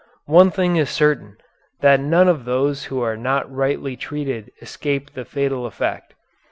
One thing is certain, that none of those who are not rightly treated escape the fatal effect.